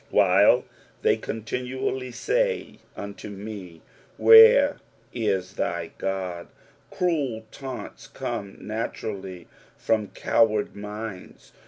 "While thej/ eontinvaUy my unto me. Where it thy Oodf" Cruel taunts come naturally from coward minds.